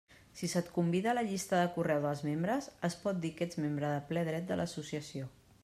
Si se't convida a la llista de correu dels membres, es pot dir que ets membre de ple dret de l'associació.